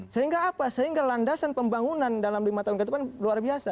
sehingga apa sehingga landasan pembangunan dalam lima tahun ke depan luar biasa